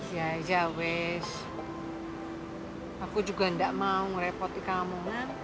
ya iya wes aku juga gak mau ngerepotin kamu